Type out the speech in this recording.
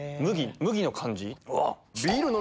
麦の感じ。